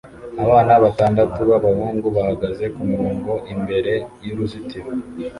Abana batandatu b'abahungu bahagaze kumurongo imbere y'uruzitiro